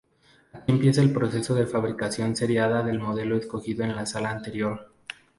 Aquí empieza el proceso de fabricación seriada del modelo escogido en la sala anterior.